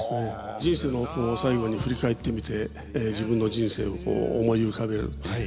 人生の最後に振り返ってみて自分の人生をこう思い浮かべるっていう。